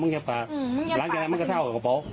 อ๋อมันก็ยับปากหลังจากไหนมันก็เศร้ากับกระเป๋า